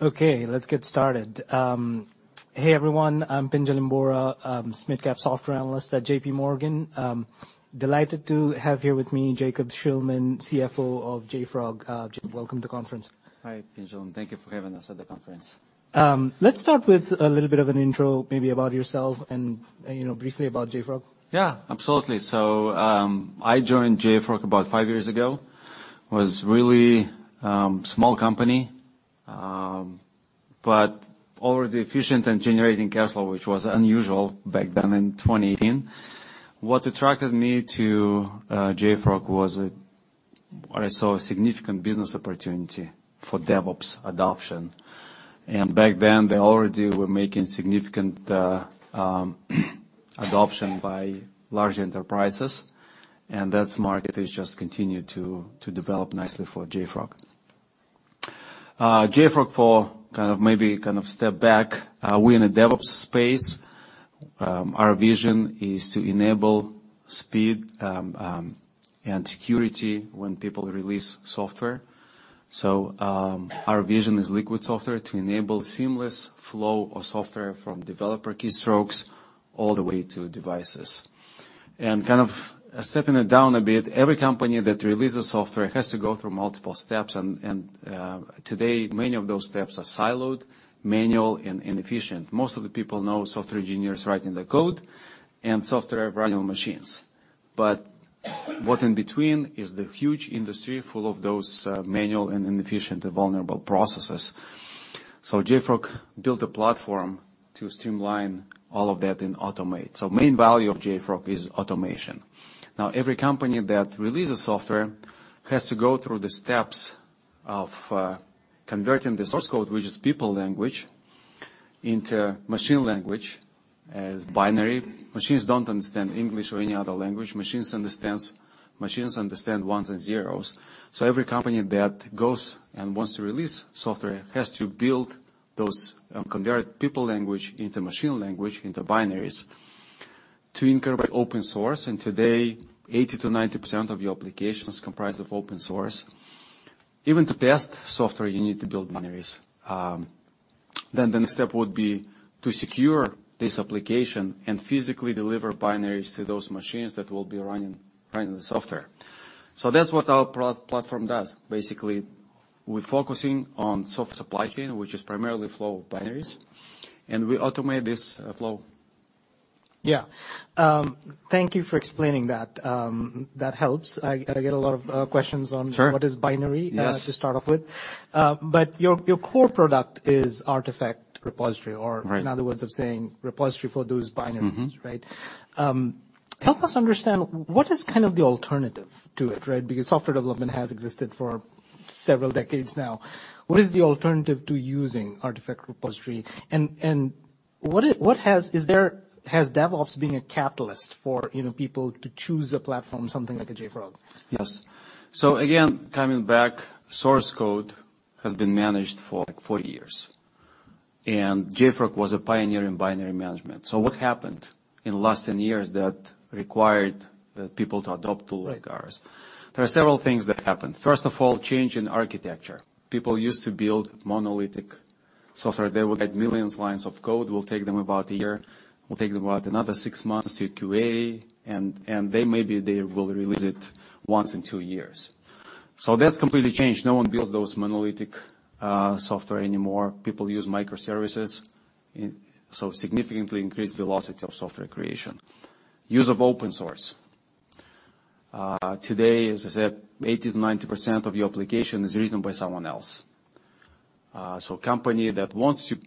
Okay, let's get started. Hey, everyone, I'm Pinjalim Bora software analyst at JPMorgan. Delighted to have here with me Jacob Shulman, CFO of JFrog. Jacob, welcome to the conference. Hi, Pinjal, and thank you for having us at the conference. Let's start with a little bit of an intro, maybe about yourself and you know, briefly about JFrog. Absolutely. I joined JFrog about five years ago. Was really small company, but already efficient in generating cash flow, which was unusual back then in 2018. What attracted me to JFrog was I saw a significant business opportunity for DevOps adoption. Back then, they already were making significant adoption by large enterprises, and that market has just continued to develop nicely for JFrog. JFrog for kind of, maybe kind of step back, we're in a DevOps space. Our vision is to enable speed, and security when people release software. Our vision is Liquid Software to enable seamless flow of software from developer keystrokes all the way to devices. Kind of stepping it down a bit, every company that releases software has to go through multiple steps and today, many of those steps are siloed, manual, and inefficient. Most of the people know software engineers writing the code and software running on machines. What in between is the huge industry full of those, manual and inefficient and vulnerable processes. JFrog built a platform to streamline all of that and automate. Main value of JFrog is automation. Every company that releases software has to go through the steps of converting the source code, which is people language, into machine language as binary. Machines don't understand English or any other language. Machines understand ones and zeros. Every company that goes and wants to release software has to build those and convert people language into machine language, into binaries. To integrate open source, and today 80% to 90% of the applications comprise of open source. Even to test software, you need to build binaries. The next step would be to secure this application and physically deliver binaries to those machines that will be running the software. That's what our platform does. Basically, we're focusing on software supply chain, which is primarily flow of binaries, and we automate this flow. Yeah. Thank you for explaining that. That helps. I get a lot of questions on. Sure. What is binary? Yes. To start off with. Your core product is artifact repository. Right. another words of saying repository for those binaries. Mm-hmm. Right? Help us understand what is kind of the alternative to it, right? Software development has existed for several decades now. What is the alternative to using artifact repository? Has DevOps been a catalyst for, you know, people to choose a platform, something like a JFrog? Yes. Again, coming back, source code has been managed for like 40 years, and JFrog was a pioneer in binary management. What happened in the last 10 years that required people to adopt tools like ours? There are several things that happened. First of all, change in architecture. People used to build monolithic software. They would write millions lines of code, will take them about a year, will take them about another 6 months to do QA, and maybe they will release it once in 2 years. That's completely changed. No one builds those monolithic software anymore. People use microservices, so significantly increased velocity of software creation. Use of open source. Today, as I said, 80%-90% of your application is written by someone else. Company that wants to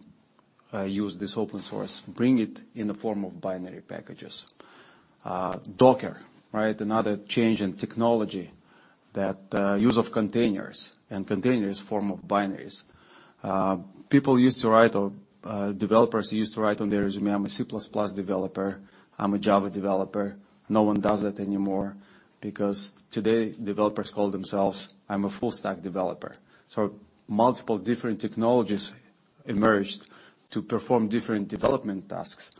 use this open source, bring it in the form of binary packages. Docker, right? Another change in technology that use of containers and containers form of binaries. People used to write or developers used to write on their resume, "I'm a C++ developer. I'm a Java developer." No one does that anymore because today, developers call themselves, "I'm a full-stack developer." Multiple different technologies emerged to perform different development tasks.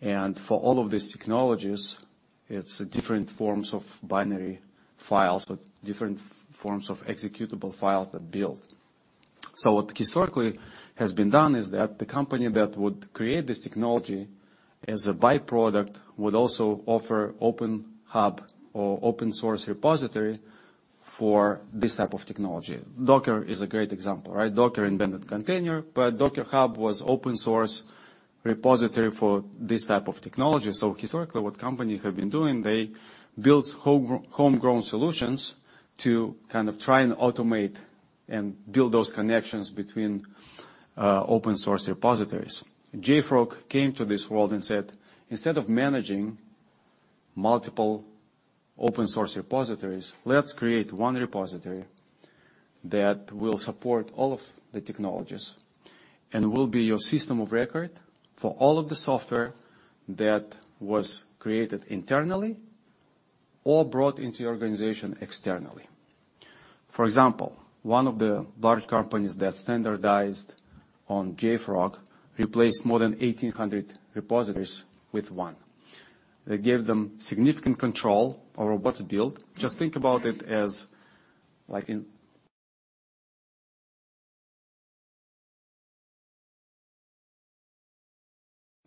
For all of these technologies, it's different forms of binary files with different forms of executable files that build. What historically has been done is that the company that would create this technology as a byproduct would also offer open hub or open source repository for this type of technology. Docker is a great example, right? Docker invented container. Docker Hub was open source repository for this type of technology. Historically, what companies have been doing, they built homegrown solutions to kind of try and automate and build those connections between open source repositories. JFrog came to this world and said, "Instead of managing multiple open source repositories, let's create one repository that will support all of the technologies and will be your system of record for all of the software that was created internally or brought into your organization externally." For example, one of the large companies that standardized on JFrog replaced more than 1,800 repositories with one. That gave them significant control over what to build. Just think about it as like.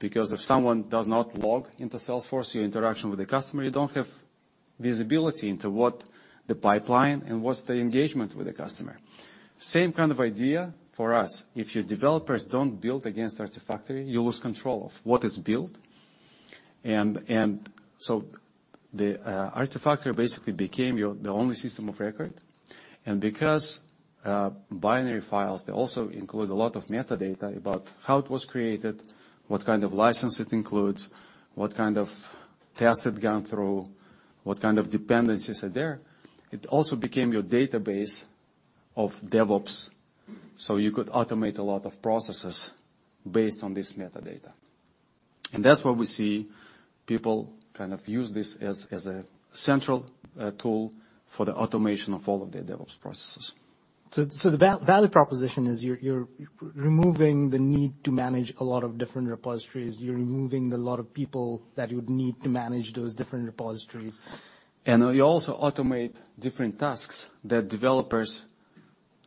If someone does not log into Salesforce, your interaction with the customer, you don't have visibility into what the pipeline and what's the engagement with the customer. Same kind of idea for us. If your developers don't build against Artifactory, you lose control of what is built. The Artifactory basically became the only system of record. Because binary files, they also include a lot of metadata about how it was created, what kind of license it includes, what kind of tests it gone through, what kind of dependencies are there, it also became your database of DevOps, so you could automate a lot of processes based on this metadata. That's why we see people kind of use this as a central tool for the automation of all of their DevOps processes. The value proposition is you're removing the need to manage a lot of different repositories, you're removing the lot of people that you would need to manage those different repositories. You also automate different tasks that developers...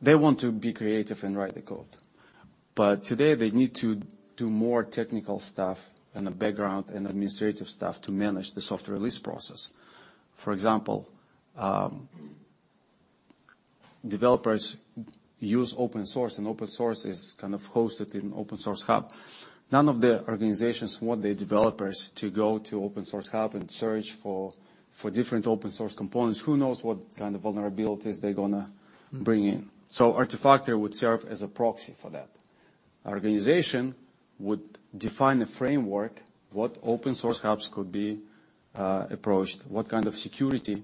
They want to be creative and write the code, but today they need to do more technical stuff and the background and administrative stuff to manage the software release process. For example, developers use open source, and open source is kind of hosted in open source hub. None of the organizations want their developers to go to open source hub and search for different open source components. Who knows what kind of vulnerabilities they're gonna bring in. Artifactory would serve as a proxy for that. Organization would define a framework, what open source hubs could be approached, what kind of security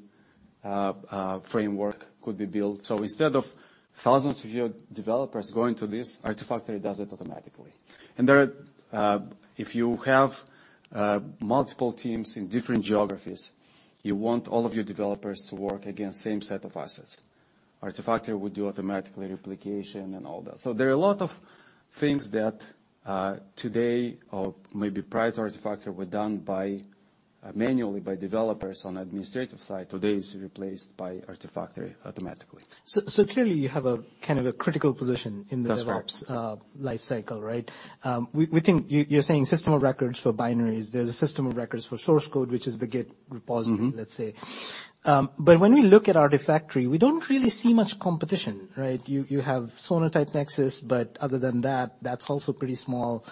framework could be built. Instead of thousands of your developers going to this, Artifactory does it automatically. There are, if you have multiple teams in different geographies, you want all of your developers to work against same set of assets. Artifactory would do automatically replication and all that. There are a lot of things that today or maybe prior to Artifactory were done by manually by developers on administrative side, today is replaced by Artifactory automatically. Clearly you have a kind of a critical position in the... That's right. DevOps, life cycle, right? We think you're saying system of records for binaries. There's a system of records for source code, which is the Git repository. Mm-hmm. Let's say. When we look at Artifactory, we don't really see much competition, right? You have Sonatype Nexus, but other than that's also pretty small.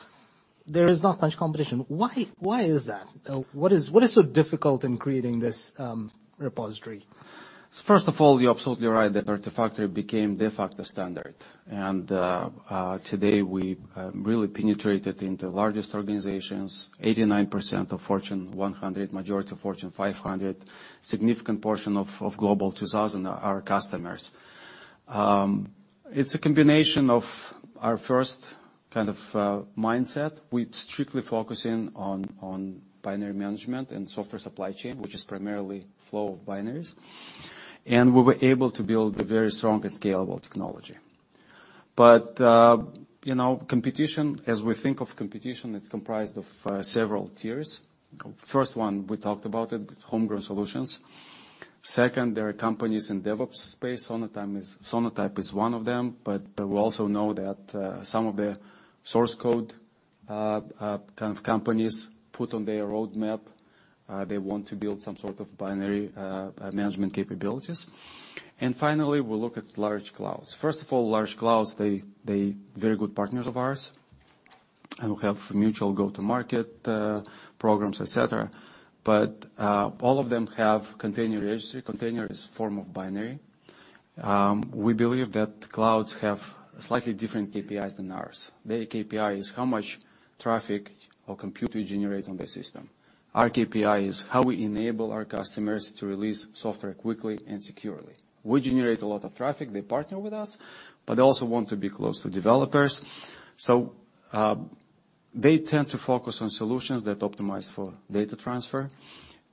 There is not much competition. Why is that? What is so difficult in creating this repository? First of all, you're absolutely right that Artifactory became de facto standard. Today we really penetrated into largest organizations, 89% of Fortune 100, majority of Fortune 500, significant portion of Global 2,000 are customers. It's a combination of our first kind of mindset. We're strictly focusing on binary management and software supply chain, which is primarily flow of binaries. We were able to build a very strong and scalable technology. You know, competition, as we think of competition, it's comprised of several tiers. First one, we talked about it, homegrown solutions. Second, there are companies in DevOps space. Sonatype is one of them, but we also know that some of the source code, kind of companies put on their roadmap, they want to build some sort of binary management capabilities. Finally, we look at large clouds. First of all, large clouds, they very good partners of ours. We have mutual go-to-market programs, et cetera. All of them have container registry. Container is form of binary. We believe that clouds have slightly different KPIs than ours. Their KPI is how much traffic or compute we generate on their system. Our KPI is how we enable our customers to release software quickly and securely. We generate a lot of traffic, they partner with us, but they also want to be close to developers. They tend to focus on solutions that optimize for data transfer,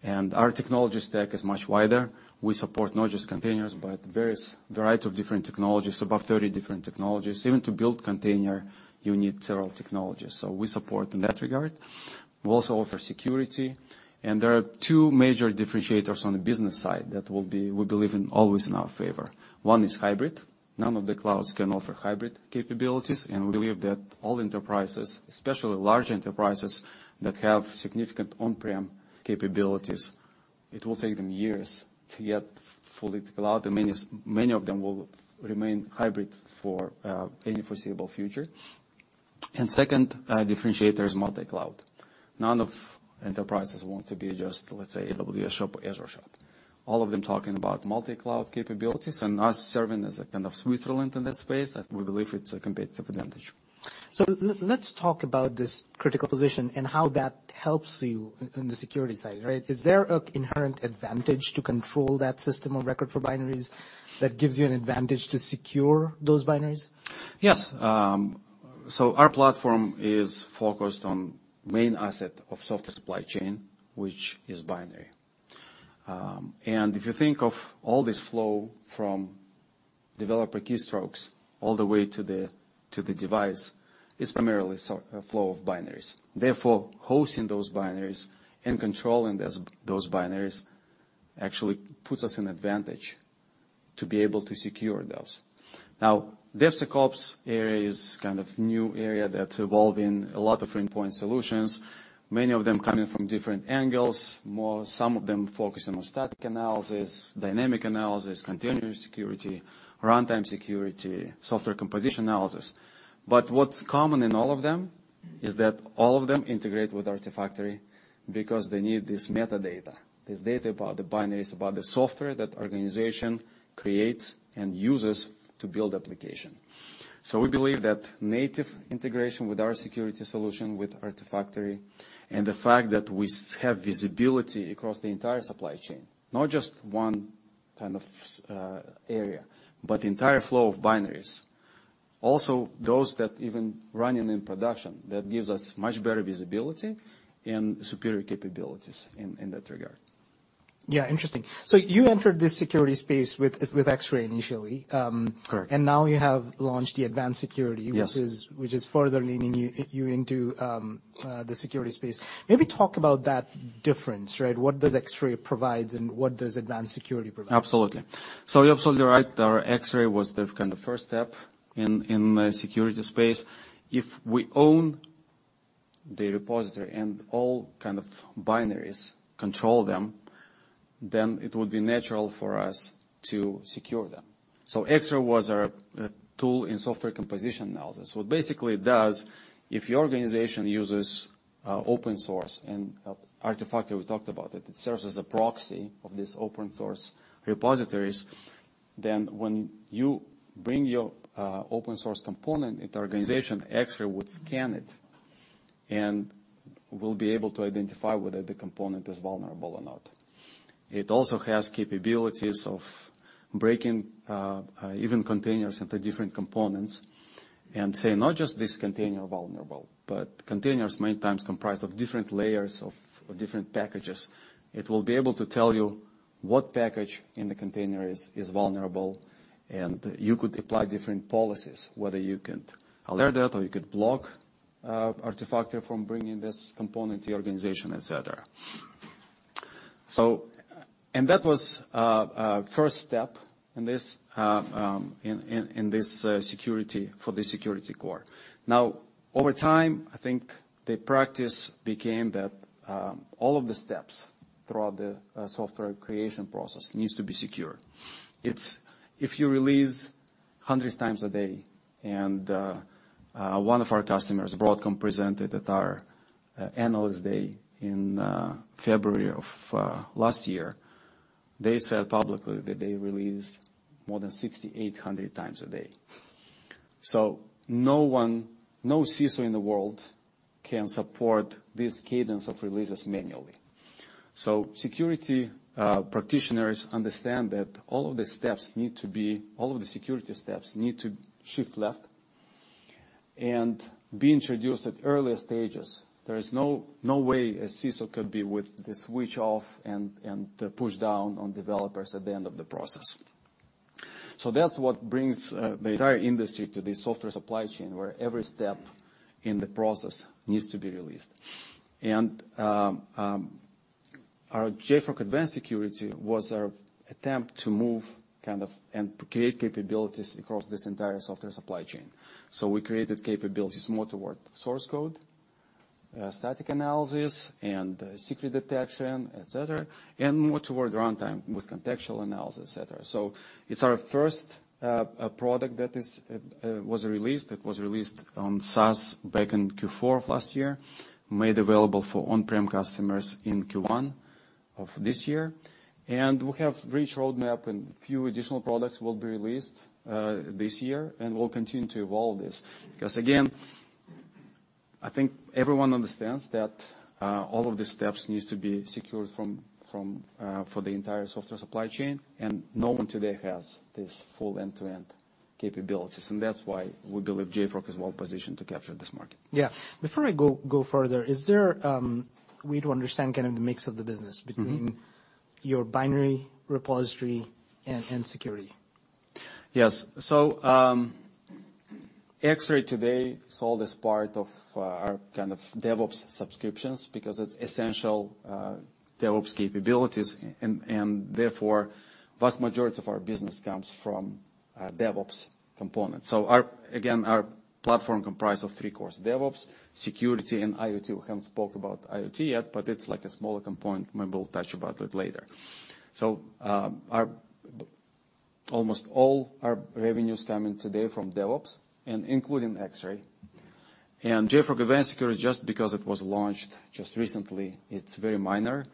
and our technology stack is much wider. We support not just containers, but various variety of different technologies, above 30 different technologies. Even to build container, you need several technologies. We support in that regard. We also offer security. There are two major differentiators on the business side that will be, we believe, always in our favor. One is hybrid. None of the clouds can offer hybrid capabilities, and we believe that all enterprises, especially large enterprises that have significant on-prem capabilities, it will take them years to get fully to cloud. Many of them will remain hybrid for any foreseeable future. Second, differentiator is multi-cloud. None of enterprises want to be just, let's say, AWS shop or Azure shop. All of them talking about multi-cloud capabilities and us serving as a kind of Switzerland in that space, and we believe it's a competitive advantage. Let's talk about this critical position and how that helps you in the security side, right? Is there an inherent advantage to control that system of record for binaries that gives you an advantage to secure those binaries? Yes. Our platform is focused on main asset of software supply chain, which is binary. If you think of all this flow from developer keystrokes all the way to the device, it's primarily flow of binaries. Therefore, hosting those binaries and controlling those binaries actually puts us in advantage to be able to secure those. Now, DevSecOps area is kind of new area that's evolving. A lot of endpoint solutions, many of them coming from different angles. Some of them focusing on static analysis, dynamic analysis, container security, runtime security, software composition analysis. What's common in all of them is that all of them integrate with Artifactory because they need this metadata, this data about the binaries, about the software that organization creates and uses to build application. We believe that native integration with our security solution, with Artifactory, and the fact that we have visibility across the entire supply chain, not just one kind of area, but the entire flow of binaries, also those that even running in production, that gives us much better visibility and superior capabilities in that regard. Interesting. You entered the security space with Xray initially. Correct. now you have launched the Advanced Security- Yes... which is further leaning you into the security space. Maybe talk about that difference, right? What does Xray provides and what does Advanced Security provide? Absolutely. You're absolutely right. Our Xray was the kind of first step in the security space. If we own the repository and all kind of binaries, control them, then it would be natural for us to secure them. Xray was our tool in software composition analysis. What basically it does, if your organization uses open source and Artifactory, we talked about it serves as a proxy of this open source repositories. When you bring your open source component into organization, Xray would scan it and will be able to identify whether the component is vulnerable or not. It also has capabilities of breaking even containers into different components and say not just this container vulnerable, but containers many times comprise of different layers of different packages. It will be able to tell you what package in the container is vulnerable, and you could apply different policies, whether you could alert that or you could block Artifactory from bringing this component to your organization, et cetera. That was first step in this security, for the security core. Over time, I think the practice became that all of the steps throughout the software creation process needs to be secure. It's if you release hundreds times a day, and one of our customers, Broadcom, presented at our analyst day in February of last year. They said publicly that they release more than 6,800 times a day. No one, no CISO in the world can support this cadence of releases manually. Security practitioners understand that all of the security steps need to shift left and be introduced at earlier stages. There is no way a CISO could be with the switch off and push down on developers at the end of the process. That's what brings the entire industry to the software supply chain, where every step in the process needs to be released. Our JFrog Advanced Security was our attempt to move, kind of, and create capabilities across this entire software supply chain. We created capabilities more toward source code, static analysis and secret detection, et cetera, and more toward runtime with contextual analysis, et cetera. It's our first product that is was released. It was released on SaaS back in Q4 of last year, made available for on-prem customers in Q1 of this year. We have rich roadmap and few additional products will be released this year. We'll continue to evolve this. Again, I think everyone understands that all of the steps needs to be secured from for the entire software supply chain. No one today has this full end-to-end capabilities. That's why we believe JFrog is well positioned to capture this market. Yeah. Before I go further, is there a way to understand kind of the mix of the business between- Mm-hmm... your binary repository and security? Yes. Xray today sold as part of our kind of DevOps subscriptions because it's essential DevOps capabilities and therefore, vast majority of our business comes from DevOps component. Our, again, our platform comprise of three cores: DevOps, Security, and IoT. We haven't spoke about IoT yet, but it's like a smaller component. Maybe we'll touch about it later. Almost all our revenues coming today from DevOps and including Xray. JFrog Advanced Security, just because it was launched just recently, it's very minor.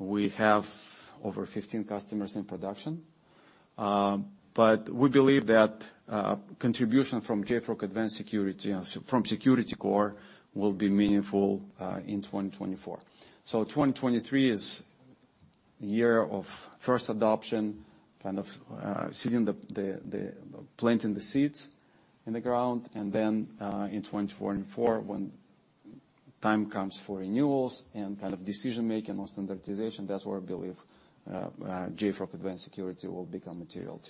We have over 15 customers in production. But we believe that contribution from JFrog Advanced Security and from Security Core will be meaningful in 2024. 2023 is year of first adoption, kind of, seeding the planting the seeds in the ground. In 2024, when time comes for renewals and kind of decision-making on standardization, that's where I believe JFrog Advanced Security will become material.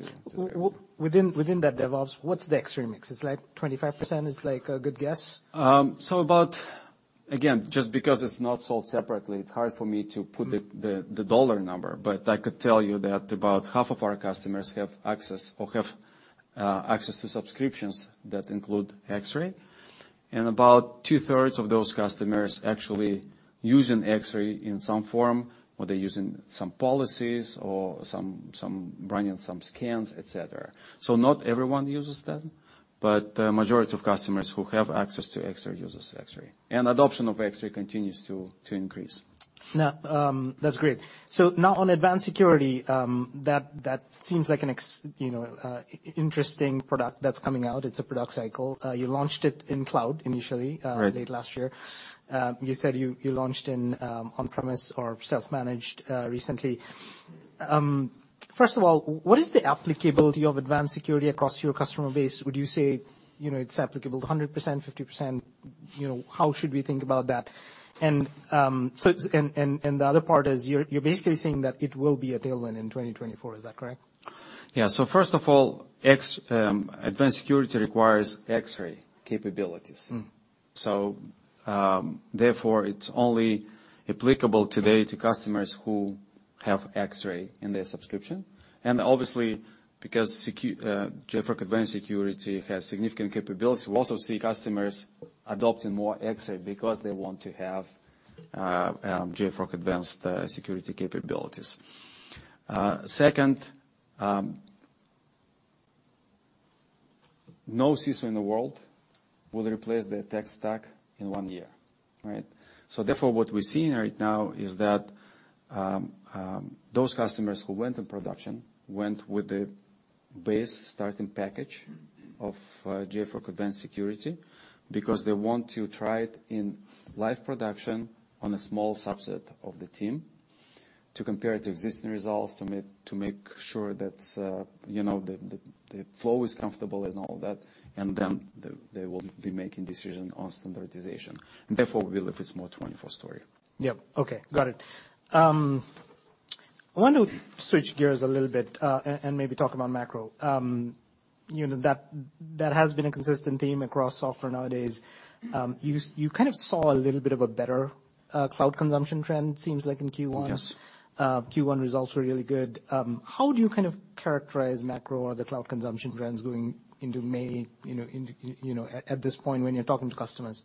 within that DevOps, what's the Xray mix? It's like 25% is like a good guess? Again, just because it's not sold separately, it's hard for me to put the dollar number. I could tell you that about half of our customers have access or have access to subscriptions that include Xray. About two-thirds of those customers actually using Xray in some form, or they're using some policies or some running some scans, et cetera. Not everyone uses that, but a majority of customers who have access to Xray uses Xray. Adoption of Xray continues to increase. That's great. Now on Advanced Security, that seems like an interesting product that's coming out. It's a product cycle. You launched it in cloud initially- Right. late last year. You said you launched in on-premise or self-managed recently. First of all, what is the applicability of Advanced Security across your customer base? Would you say, you know, it's applicable 100%, 50%? You know, how should we think about that? The other part is you're basically saying that it will be a tailwind in 2024. Is that correct? Yeah. First of all, Advanced Security requires Xray capabilities. Mm. Therefore, it's only applicable today to customers who have Xray in their subscription. Obviously, because JFrog Advanced Security has significant capability, we also see customers adopting more Xray because they want to have JFrog Advanced Security capabilities. Second, no CISO in the world will replace their tech stack in 1 year, right? Therefore, what we're seeing right now is that those customers who went in production went with the base starting package of JFrog Advanced Security because they want to try it in live production on a small subset of the team to compare it to existing results, to make sure that, you know, the, the flow is comfortable and all that, and then they will be making decision on standardization. Therefore, we believe it's more 2024 story. Yep. Okay. Got it. I want to switch gears a little bit, and maybe talk about macro. you know, that has been a consistent theme across software nowadays. you kind of saw a little bit of a better cloud consumption trend, it seems like in Q1. Yes. Q1 results were really good. How do you kind of characterize macro or the cloud consumption trends going into May, into, you know, at this point when you're talking to customers?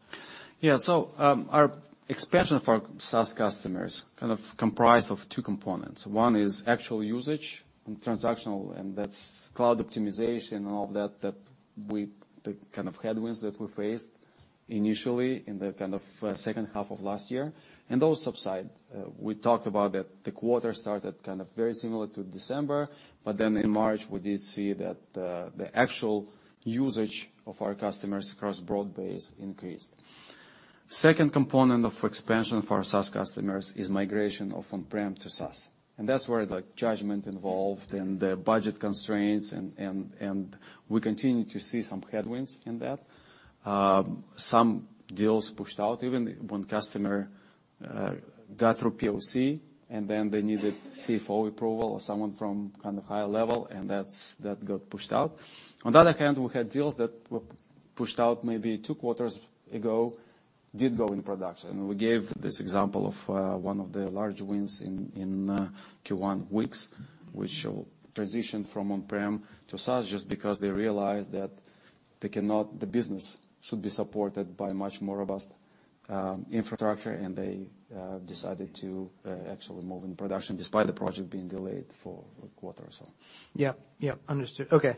Yeah. Our expansion for SaaS customers kind of comprised of two components. One is actual usage and transactional, and that's cloud optimization and all that, the kind of headwinds that we faced initially in the kind of second half of last year. Those subside. We talked about that the quarter started kind of very similar to December, but then in March, we did see that the actual usage of our customers across broad base increased. Second component of expansion for our SaaS customers is migration of on-prem to SaaS. That's where the judgment involved and the budget constraints and we continue to see some headwinds in that. Some deals pushed out, even one customer got through POC and then they needed CFO approval or someone from kind of higher level, that got pushed out. On the other hand, we had deals that were pushed out maybe two quarters ago, did go in production. We gave this example of, one of the large wins in Q1, Wix, which will transition from on-prem to SaaS just because they realized that the business should be supported by much more robust infrastructure, and they decided to actually move in production despite the project being delayed for a quarter or so. Yep. Yep. Understood. Okay.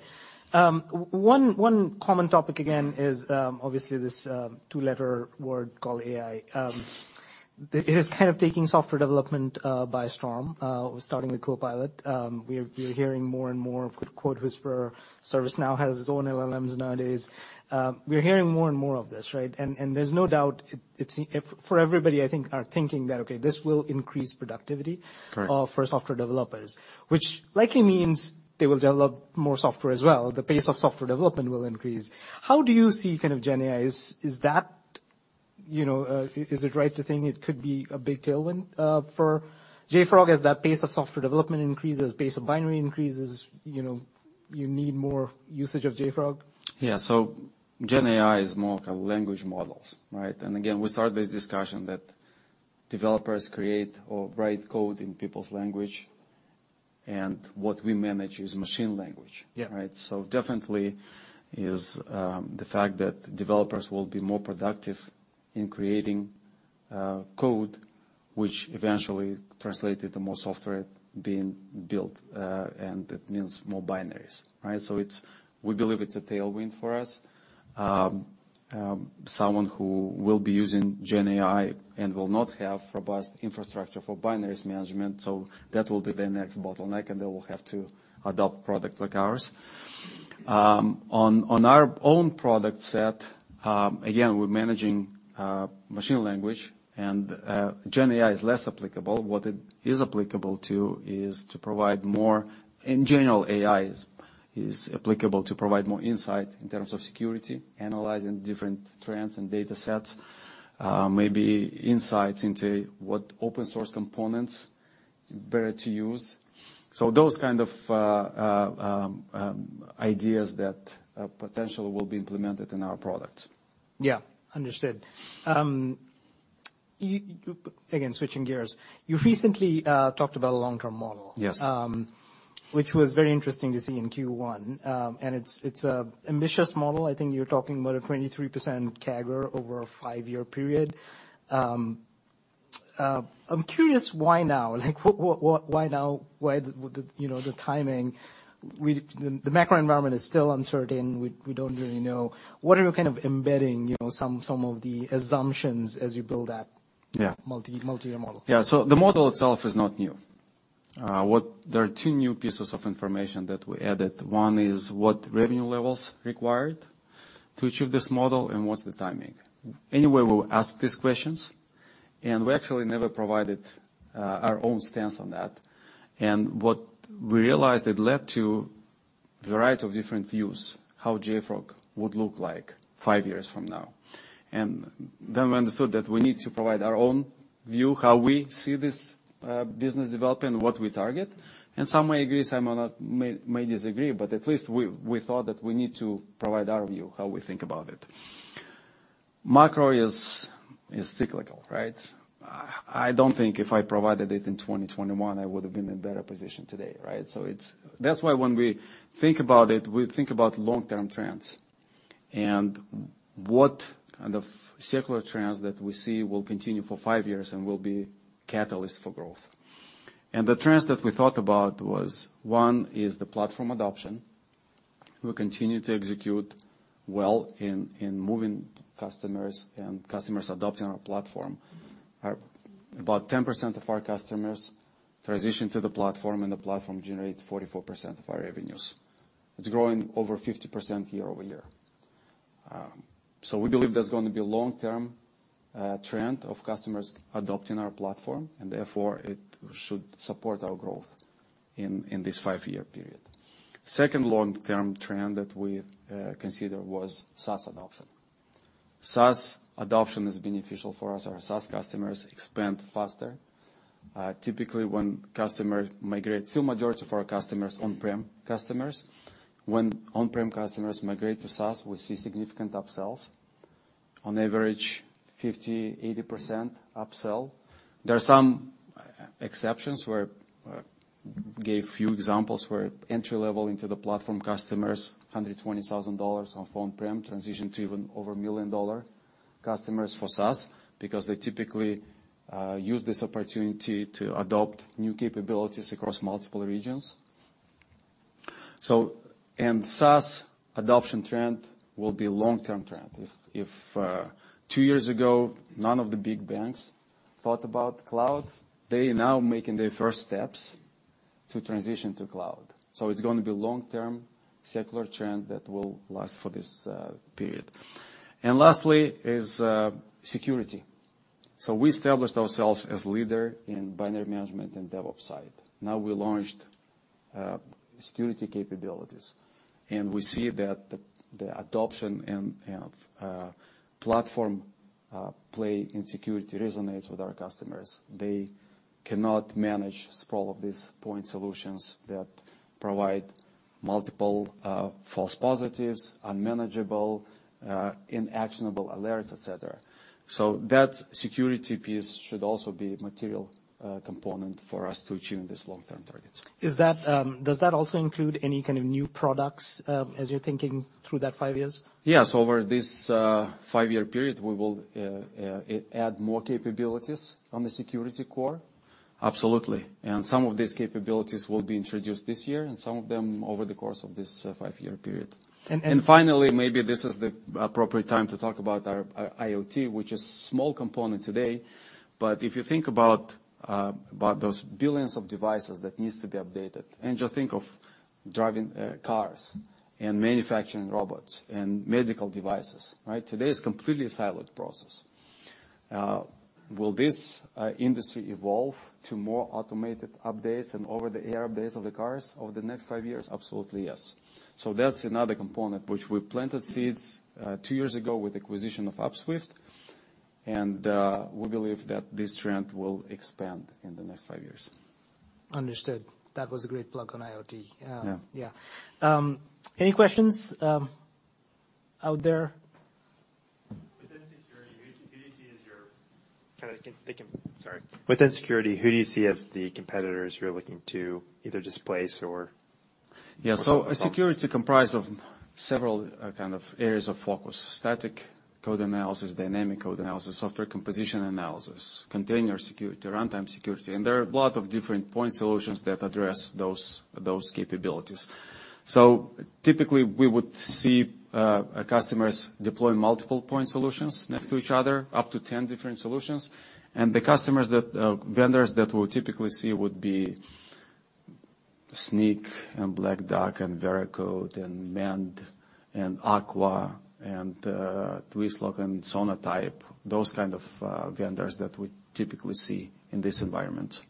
One common topic again is obviously this two-letter word called AI. It is kind of taking software development by storm, starting with Copilot. We're hearing more and more of CodeWhisperer. ServiceNow has its own LLMs nowadays. We're hearing more and more of this, right? There's no doubt for everybody, I think, are thinking that, okay, this will increase productivity- Correct. for software developers, which likely means they will develop more software as well. The pace of software development will increase. How do you see kind of generative AI, is that, you know, is it right to think it could be a big tailwind for JFrog as that pace of software development increases, pace of binary increases, you know, you need more usage of JFrog? Yeah. Generative AI is more kind of language models, right? Again, we start this discussion that developers create or write code in people's language, and what we manage is machine language. Yeah. Right? Definitely is the fact that developers will be more productive in creating code, which eventually translated to more software being built, and that means more binaries, right? We believe it's a tailwind for us. Someone who will be using generative AI and will not have robust infrastructure for binaries management, so that will be their next bottleneck, and they will have to adopt product like ours. On our own product set, again, we're managing machine language and generative AI is less applicable. What it is applicable to is to provide more. In general, AI is applicable to provide more insight in terms of security, analyzing different trends and data sets, maybe insight into what open source components better to use. Those kind of ideas that potentially will be implemented in our product. Yeah. Understood. You. Again, switching gears, you recently talked about a long-term model. Yes. Which was very interesting to see in Q1. It's, it's a ambitious model. I think you're talking about a 23% CAGR over a five-year period. I'm curious why now? Like, why now? Why the, you know, the timing? The macro environment is still uncertain. We don't really know. What are you kind of embedding, you know, some of the assumptions as you build that. Yeah multi-year model? The model itself is not new. There are two new pieces of information that we added. One is what revenue levels required to achieve this model, and what's the timing. Anyway, we'll ask these questions, and we actually never provided our own stance on that. What we realized, it led to a variety of different views, how JFrog would look like five years from now. We understood that we need to provide our own view, how we see this business developing, what we target. Some may agree, some will not, may disagree, but at least we thought that we need to provide our view, how we think about it. Macro is cyclical, right? I don't think if I provided it in 2021, I would have been in better position today, right? That's why when we think about it, we think about long-term trends and what kind of secular trends that we see will continue for five years and will be catalyst for growth. The trends that we thought about was, one is the platform adoption. We continue to execute well in moving customers and customers adopting our platform. About 10% of our customers transition to the platform, and the platform generates 44% of our revenues. It's growing over 50% year-over-year. We believe there's going to be a long-term trend of customers adopting our platform, and therefore it should support our growth in this 5-year period. Second long-term trend that we consider was SaaS adoption. SaaS adoption is beneficial for us. Our SaaS customers expand faster. Typically when customer migrate... Still majority of our customers on-prem customers. When on-prem customers migrate to SaaS, we see significant upsells. On average, 50%-80% upsell. There are some exceptions where gave few examples where entry-level into the platform customers, $120,000 on-prem transition to even over a $1 million customers for SaaS, because they typically use this opportunity to adopt new capabilities across multiple regions. SaaS adoption trend will be long-term trend. If two years ago, none of the big banks thought about cloud, they now making their first steps to transition to cloud. It's going to be long-term secular trend that will last for this period. Lastly is security. We established ourselves as leader in binary management and DevOps side. We launched security capabilities, we see that the adoption and platform play in security resonates with our customers. They cannot manage sprawl of these point solutions that provide multiple false positives, unmanageable, inactionable alerts, et cetera. That security piece should also be material component for us to achieve this long-term targets. Does that also include any kind of new products, as you're thinking through that five years? Yes. Over this 5-year period, we will add more capabilities on the security core. Absolutely. Some of these capabilities will be introduced this year, and some of them over the course of this 5-year period. And, and- Finally, maybe this is the appropriate time to talk about our IoT, which is small component today. If you think about those billions of devices that needs to be updated, and just think of driving cars and manufacturing robots and medical devices, right? Today is completely a siloed process. Will this industry evolve to more automated updates and over-the-air updates of the cars over the next five years? Absolutely, yes. That's another component which we planted seeds two years ago with acquisition of Upswift. We believe that this trend will expand in the next five years. Understood. That was a great plug on IoT. Yeah. Yeah. Any questions, out there? Sorry. Within security, who do you see as the competitors you're looking to either displace or- Yeah. Security comprise of several kind of areas of focus. Static code analysis, dynamic code analysis, software composition analysis, container security, runtime security. There are a lot of different point solutions that address those capabilities. Typically, we would see customers deploy multiple point solutions next to each other, up to 10 different solutions. The vendors that we'll typically see would be Snyk and Black Duck and Veracode and Mandiant and Aqua and Twistlock and Sonatype, those kind of vendors that we typically see in this environment.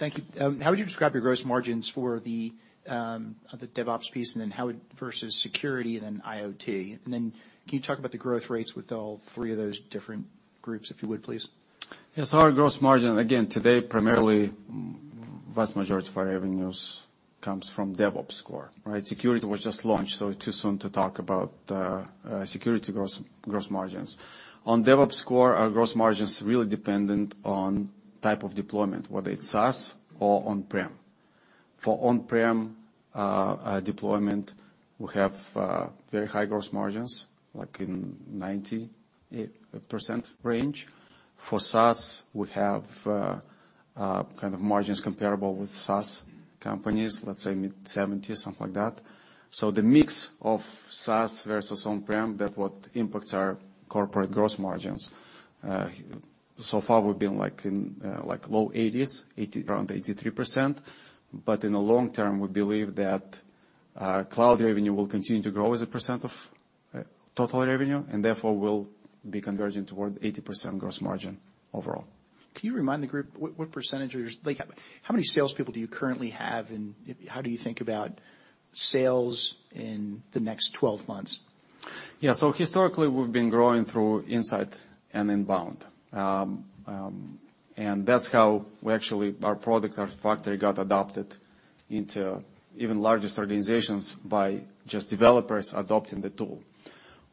Thank you. How would you describe your gross margins for the DevOps piece and then versus security then IoT? Can you talk about the growth rates with all three of those different groups, if you would, please? Yes. Our gross margin, again, today, primarily, vast majority of our revenues comes from DevOps core, right? Security was just launched, too soon to talk about security gross margins. On DevOps core, our gross margin's really dependent on type of deployment, whether it's SaaS or on-prem. For on-prem deployment, we have very high gross margins, like in 90% range. For SaaS, we have kind of margins comparable with SaaS companies, let's say mid-70s, something like that. The mix of SaaS versus on-prem, that what impacts our corporate gross margins. So far we've been like in low 80s, around 83%. In the long term, we believe that cloud revenue will continue to grow as a percent of total revenue, and therefore will be converging toward 80% gross margin overall. Can you remind the group what % Like, how many salespeople do you currently have, and how do you think about sales in the next 12 months? Yeah. Historically, we've been growing through insight and inbound. That's how our product, Artifactory, got adopted into even largest organizations by just developers adopting the tool.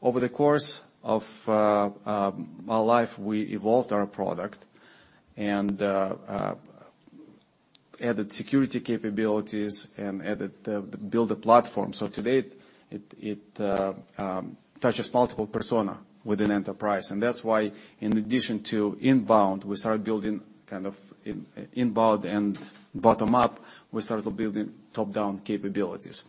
Over the course of my life, we evolved our product and added security capabilities and build a platform. Today it touches multiple persona within enterprise. That's why in addition to inbound, we started building kind of inbound and bottom up, we started building top-down capabilities.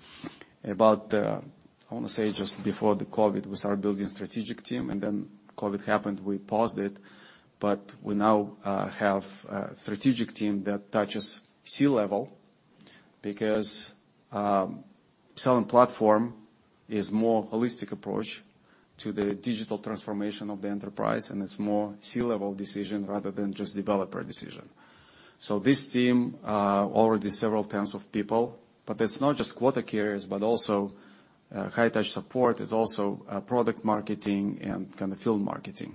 About, I wanna say just before the COVID, we started building strategic team and then COVID happened, we paused it, but we now have a strategic team that touches C-level because selling platform is more holistic approach to the digital transformation of the enterprise, and it's more C-level decision rather than just developer decision. This team, already several tens of people, but it's not just quota carriers, but also high touch support. It's also product marketing and kind of field marketing.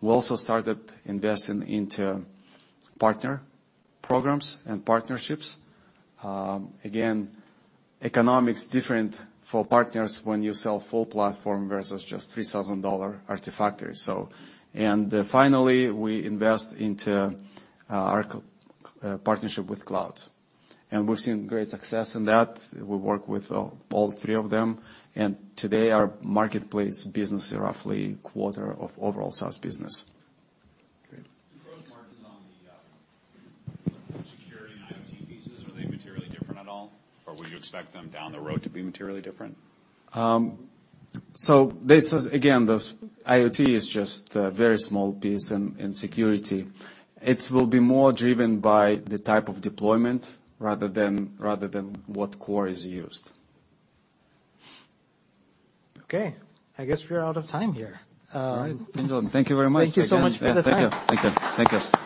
We also started investing into partner programs and partnerships. Again, economics different for partners when you sell full platform versus just $3,000 Artifactory. Finally, we invest into our co-partnership with clouds. We've seen great success in that. We work with all three of them. Today our marketplace business is roughly quarter of overall SaaS business. Okay. The gross margins on the security and IoT pieces, are they materially different at all? Would you expect them down the road to be materially different? This is again, the IoT is just a very small piece in security. It will be more driven by the type of deployment rather than what core is used. Okay. I guess we are out of time here. All right. Thank you very much again. Thank you so much for the time. Thank you. Thank you. Thank you.